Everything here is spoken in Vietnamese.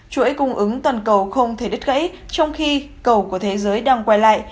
chuỗi cung ứng toàn cầu không thể đứt gãy trong khi cầu của thế giới đang quay lại